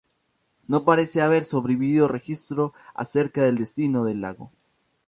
No parece haber sobrevivido registros acerca del destino de Iago.